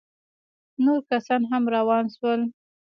نور کسان هم روان سول.